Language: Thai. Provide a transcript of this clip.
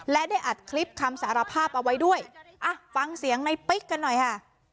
และได้อัดคลิปคำสารภาพเอาไว้ด้วยอ่ะฟังเสียงในปิ๊กกันหน่อยค่ะ